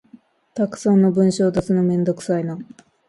たくさんの文書出すのめんどくさいな